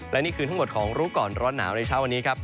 และนี่คือทั้งหมดของรู้ก่อนร้อนหนาวในเช้าวันนี้ครับ